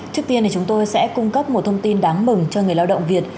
trước tiên thì chúng tôi sẽ cung cấp một thông tin đáng mừng cho người lao động việt